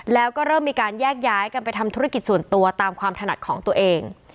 แล้วก็เริ่มมีการแยกย้ายกันไปทำธุรกิจส่วนตัวตามความถนัดของตัวเอง